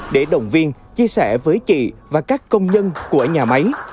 để động viên chia sẻ với chị và các công nhân của nhà máy